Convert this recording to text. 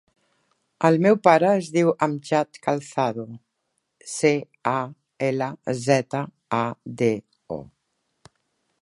El meu pare es diu Amjad Calzado: ce, a, ela, zeta, a, de, o.